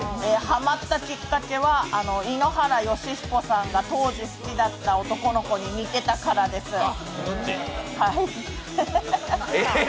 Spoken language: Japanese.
ハマったきっかけは井ノ原快彦が当時、好きだった男の子に似てたからです。